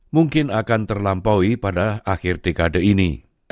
mungkin akan terlampaui pada akhir dekade ini